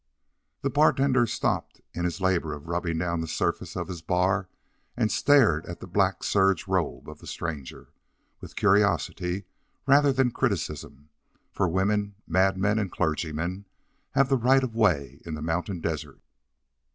The bartender stopped in his labor of rubbing down the surface of his bar and stared at the black serge robe of the stranger, with curiosity rather than criticism, for women, madmen, and clergymen have the right of way in the mountain desert.